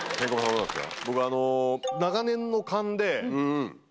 どうですか？